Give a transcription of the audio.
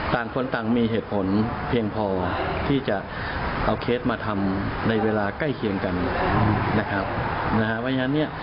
ต่างคนต่างมีเหตุผลเพียงพอที่จะเอาเคสมาทำในเวลาใกล้เคียงกัน